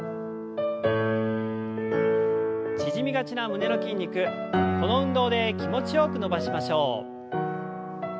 縮みがちな胸の筋肉この運動で気持ちよく伸ばしましょう。